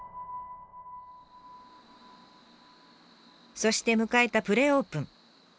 そして迎えたプレオープン。